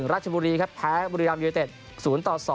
รัฐชมบุรีครับแพ้บุรีรัมย์ยอยเต็ด๐๒